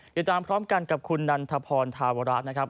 ติดตามพร้อมกันกับคุณนันทพรธาวระนะครับ